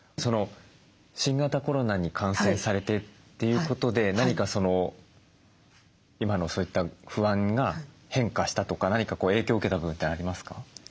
新型コロナに感染されてっていうことで何か今のそういった不安が変化したとか何か影響を受けた部分ってありますか？